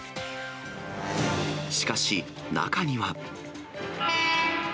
しかし、中には。